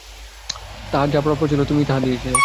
তাহার যাহা প্রাপ্য ছিল, তুমি তাহাই দিয়াছিলে।